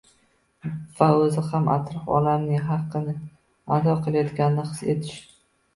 va o‘zi ham atrof olamning haqqini ado qilayotganini his etish